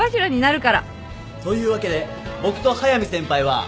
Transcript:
そういうわけで僕と速見先輩は。